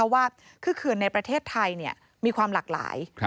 ว่าคือเขื่อนในประเทศไทยมีความหลากหลาย